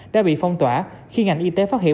đã bị phong tỏa khi ngành y tế phát hiện